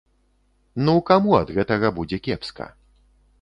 Ну каму ад гэтага будзе кепска?